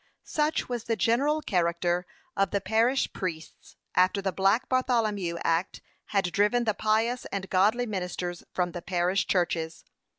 p. 520. Such was the general character of the parish priests, after the black Bartholomew Act had driven the pious and godly ministers from the parish churches.